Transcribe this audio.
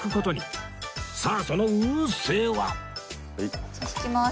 さあその運勢はじゃあ引きます。